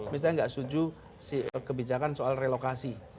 misalnya nggak setuju kebijakan soal relokasi